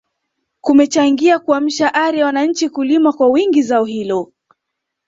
kumechangia kuamsha ari ya wananchi kulima kwa wingi zao hilo